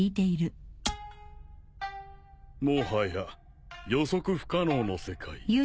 もはや予測不可能の世界。